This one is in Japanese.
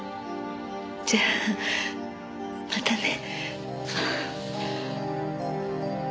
じゃあまたね。